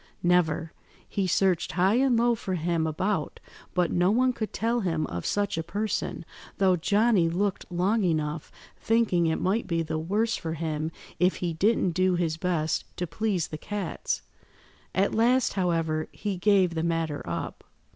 "Never. He searched high and low for him about, but no one could tell him of such a person, though Johnny looked long enough, thinking it might be the worse for him if he didn't do his best to please the cats. At last, however, he gave the matter up."